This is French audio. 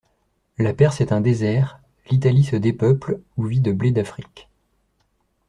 La Perse est un désert, l'Italie se dépeuple ou vit de blé d'Afrique.